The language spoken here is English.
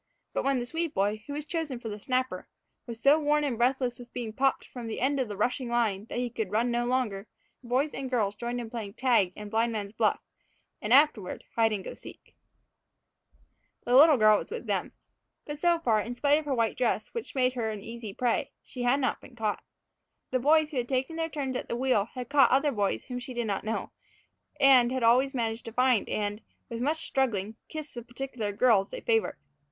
But when the Swede boy, who was chosen for the snapper, was so worn and breathless with being popped from the end of the rushing line that he could run no longer, boys and girls had joined in playing tag and blindman's buff and, afterward, hide and go seek. The little girl was with them. But, so far, in spite of her white dress, which made her an easy prey, she had not been caught. The boys who had taken their turns at the wheel had caught other boys whom she did not know; and had always managed to find and, with much struggling, kiss the particular girls they favored.